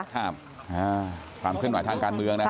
ความเคลื่อนไหวทางการเมืองนะครับ